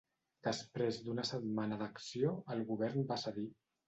Després d'una setmana d'acció, el govern va cedir.